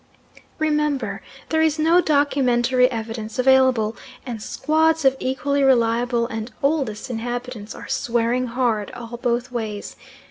Remember there is no documentary evidence available, and squads of equally reliable and oldest inhabitants are swearing hard all both ways.